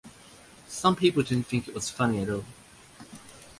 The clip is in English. Some people didn't think it was funny at all.